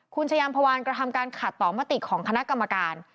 คุณชายามพวานกระทำการขัดต่อมติของคณะกรรมการ